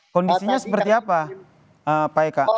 kondisinya seperti apa pak eka